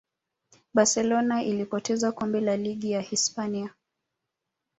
barcelona ilipoteza kombe la ligi ya hispania